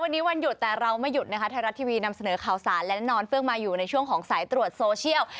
วันนี้วันหยุดแต่เราไม่หยุดนะคะไทยรัฐทีวีนำเสนอข่าวสารและแน่นอนเฟื่องมาอยู่ในช่วงของสายตรวจโซเชียล